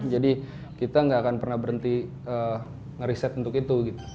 jadi kita nggak akan pernah berhenti ngereset untuk itu gitu